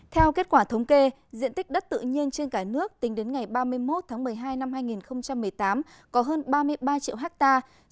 theo kết quả thống kê diện tích đất tự nhiên trên cả nước tính đến ngày ba mươi một tháng một mươi hai năm hai nghìn một mươi tám có hơn ba mươi ba triệu hectare